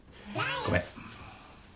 ごめん。